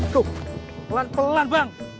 tuh pelan pelan bang